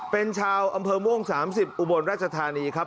เป็นชาวอำเภอม่วง๓๐อุบลราชธานีครับ